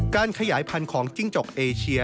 การขยายพันธุ์ของจิ้งจกเอเชีย